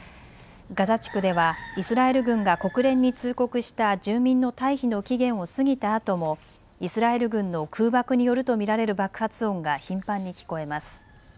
ガザ地区ではイスラエル軍が国連に通告した住民の退避の期限を過ぎたあともイスラエル軍の空爆によると見られる爆発音が頻繁に聞こえます。